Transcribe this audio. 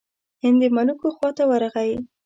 هند د ملوکو خواته ورغی.